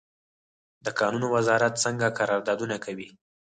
د کانونو وزارت څنګه قراردادونه کوي؟